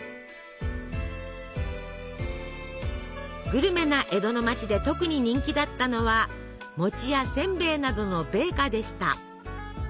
グルメな江戸の町で特に人気だったのは餅やせんべいなどの米菓でした。